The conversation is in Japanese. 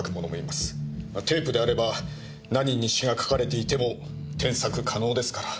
まあテープであれば何に詩が書かれていても添削可能ですから。